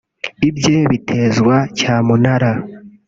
ibye bitezwa cyamunara